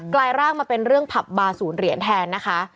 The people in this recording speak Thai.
ลายร่างมาเป็นเรื่องผับบาร์ศูนย์เหรียญแทนนะคะ